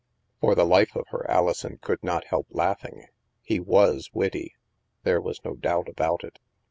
" For the life of her, Alison could not help laugh ing. He was witty, there was no doubt about it.